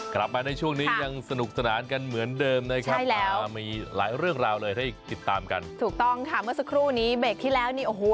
กลับมาในช่วงนี้ยังสนุกสนานกันเหมือนเดิมนะครับมีหลายเรื่องราวเลยให้ติดตามกันถูกต้องค่ะเมื่อสักครู่นี้เบรกที่แล้วนี่โอ้โห